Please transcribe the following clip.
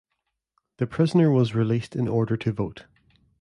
The prisoner was released in order to vote.